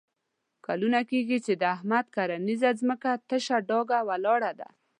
کلونه کېږي چې د احمد کرنیزه ځمکه تش ډاګ ولاړه ده.